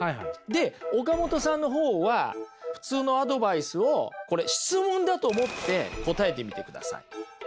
で岡本さんの方は普通のアドバイスをこれ質問だと思って答えてみてください。